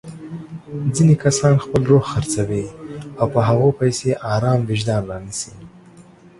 ځيني کسان خپل روح خرڅوي او په هغو پيسو ارام وجدان رانيسي.